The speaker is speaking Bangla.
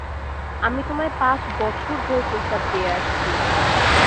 আমি তোমায় পাঁচ বছর ধরে প্রস্তাব দিয়ে আসছি।